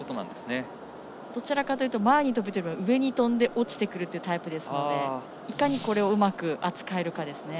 どちらかというと前に跳ぶというよりは上に跳んで落ちてくるというタイプなのでいかにこれをうまく扱えるか。